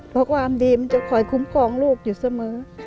เพราะความดีมันจะคอยคุ้มครองลูกอยู่เสมอ